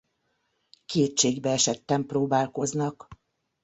Kétségbeesetten próbálkoznak.